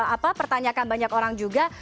apa pertanyakan banyak orang juga